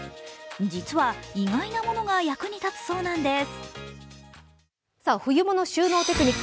実は意外なものが役に立つそうなんです。